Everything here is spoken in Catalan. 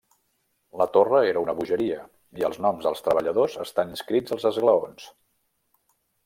La torre era una bogeria i els noms dels treballadors estan inscrits als esglaons.